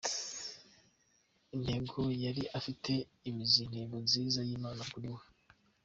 Intego ye yari ifite imizi ku ntego nziza y’Imana kuri we.